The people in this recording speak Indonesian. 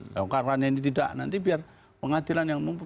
karunianya ini tidak nanti biar pengadilan yang mumpung